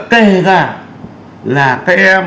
kể ra là các em